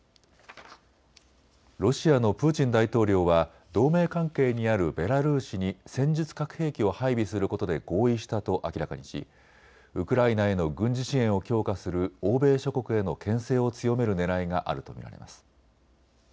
ロシアのプーチン大統領は同盟関係にあるベラルーシに戦術核兵器を配備することで合意したと明らかにしウクライナへの軍事支援を強化する欧米諸国へのけん制を強めるねらいがあると見られます。